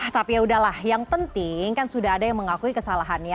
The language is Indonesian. tapi ya udahlah yang penting kan sudah ada yang mengakui kesalahan ya